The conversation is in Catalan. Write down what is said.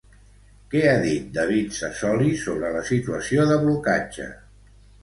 Què ha dit David Sassoli sobre la situació de blocatge?